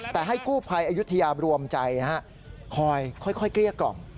แต่ให้กู้ภัยอายุทยารวมใจคอยค่อยเกลี้ยกล่อม